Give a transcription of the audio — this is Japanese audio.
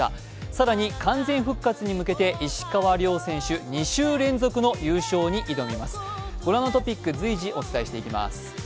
更に完全復活に向けて石川遼選手、２週連続の優勝に挑みます。